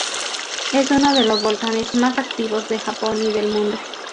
Es uno de los volcanes más activos de Japón y del mundo.